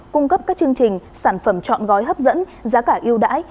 cung cấp các chương trình sản phẩm chọn gói hấp dẫn giá cả yêu đãi